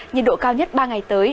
nhiệt độ cao nhất ba ngày tới